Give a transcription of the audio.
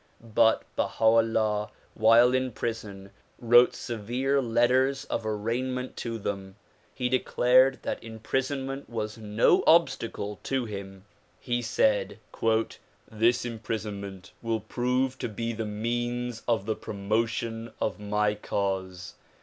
But Baha 'Ullah while in prison wrote severe letters of arraignment to them. He declared that imprison ment was no obstacle to him. He said "This imprisonment will prove to be the means of the promotion of my cause.